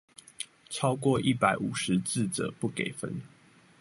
超過一百五十字者不給分